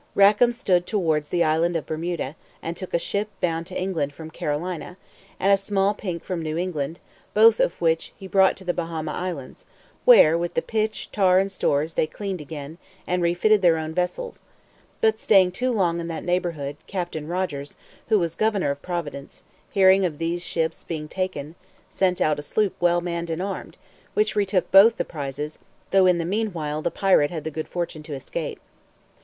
Rackam stood towards the island of Bermuda, and took a ship bound to England from Carolina, and a small pink from New England, both of which he brought to the Bahama Islands, where, with the pitch, tar and stores they cleaned again, and refitted their own vessel; but staying too long in that neighborhood, Captain Rogers, who was Governor of Providence, hearing of these ships being taken, sent out a sloop well manned and armed, which retook both the prizes, though in the mean while the pirate had the good fortune to escape.